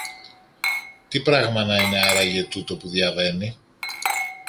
Τι πράμα να είναι άραγε τούτο που διαβαίνει;